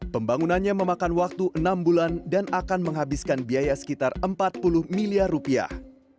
pembangunannya memakan waktu enam bulan dan akan menghabiskan biaya sekitar empat puluh miliar rupiah